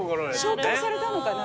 紹介されたのかな